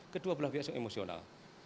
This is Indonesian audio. kedua belah pihak emosional